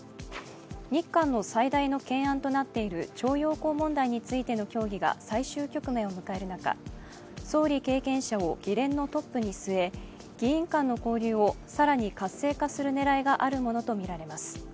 日韓の最大の懸案となっている徴用工問題についての協議が最終局面を迎える中、総理経験者を議連のトップに据え議員間の交流を更に活性化する狙いがあるものとみられます。